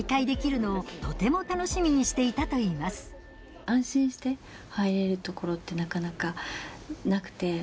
この撮影で安心して入れるところってなかなかなくて。